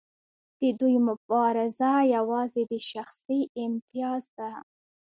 د دوی مبارزه یوازې د شخصي امتیاز ده.